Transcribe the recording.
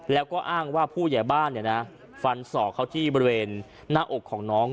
แล้วก็อ้างว่าผู้ใหญ่บ้านฟันศอกเขาที่บริเวณหน้าอกของน้อง